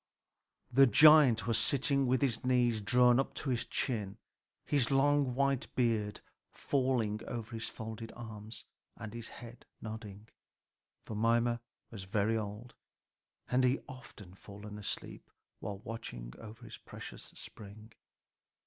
The giant was sitting with his knees drawn up to his chin, his long white beard falling over his folded arms, and his head nodding; for Mimer was very old, and he often fell asleep while watching over his precious spring.